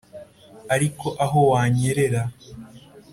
ariko aho wanyerera